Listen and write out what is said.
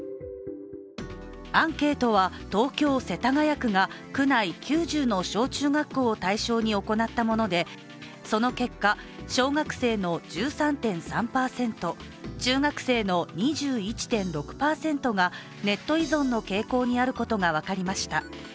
アンケートは、東京・世田谷区が区内９０の小中学校を対象に行ったものでその結果、小学生の１３．３％、中学生の２１．６％がネット依存の傾向にあることが分かりました。